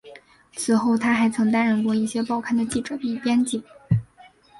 此后他还曾担任过一些报刊的记者与编辑。